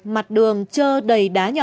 mặt đường chơ đầy đá nhọn